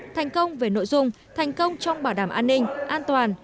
thành công về nội dung thành công trong bảo đảm an ninh an toàn